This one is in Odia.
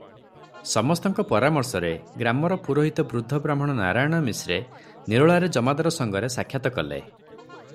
ସମସ୍ତଙ୍କ ପରାମର୍ଶରେ ଗ୍ରାମର ପୁରୋହିତ ବୃଦ୍ଧ ବ୍ରାହ୍ମଣ ନାରାୟଣ ମିଶ୍ରେ ନିରୋଳାରେ ଜମାଦାର ସଙ୍ଗରେ ସାକ୍ଷାତ କଲେ ।